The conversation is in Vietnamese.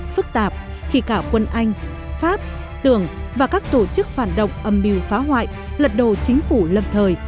phức tạp khi cả quân anh pháp tường và các tổ chức phản động âm mưu phá hoại lật đồ chính phủ lâm thời